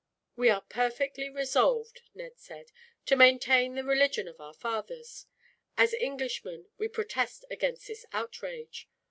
"We are perfectly resolved," Ned said, "to maintain the religion of our fathers. As Englishmen, we protest against this outrage.